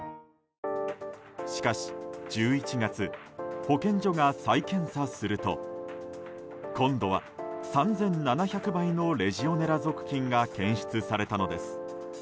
しかし、１１月保健所が再検査すると今度は３７００倍のレジオネラ属菌が検出されたのです。